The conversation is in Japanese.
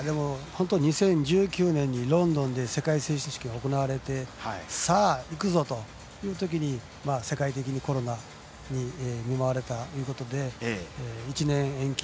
２０１９年にロンドンで世界選手権が行われてさあ、いくぞというときに世界的にコロナに見舞われたということで１年延期。